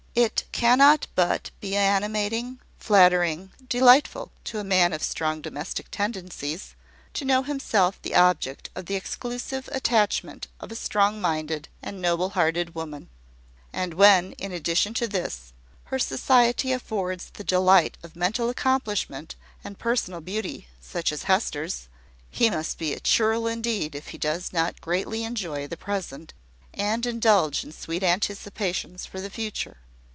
It cannot but be animating, flattering, delightful to a man of strong domestic tendencies, to know himself the object of the exclusive attachment of a strong minded and noble hearted woman: and when, in addition to this, her society affords the delight of mental accomplishment and personal beauty, such as Hester's, he must be a churl indeed if he does not greatly enjoy the present, and indulge in sweet anticipations for the future.